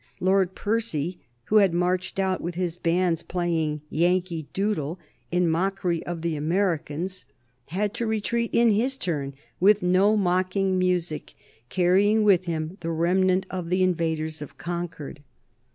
Lord Percy, who had marched out with his bands playing "Yankee Doodle," in mockery of the Americans, had to retreat in his turn with no mocking music, carrying with him the remnant of the invaders of Concord.